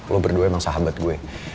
lo berdua emang sahabat gue